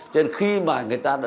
cho nên khi mà người ta đã